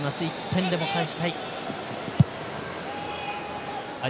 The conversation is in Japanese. １点でも返したい。